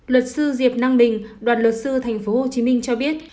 luật sư diệp năng bình đoàn luật sư tp hcm cho biết